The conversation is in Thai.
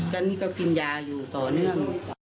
ก็นี่ก็กินยาอยู่ต่อเนื่อง